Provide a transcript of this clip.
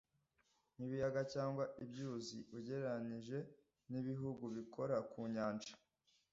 nk’ibiyaga cyangwa ibyuzi ugereranije n’ibihugu bikora ku Nyanja